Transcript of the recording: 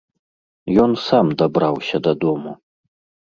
Ён сам дабраўся дадому.